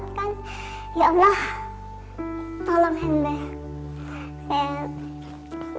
tidak akan selesai untuk mengambil ini jalan hukum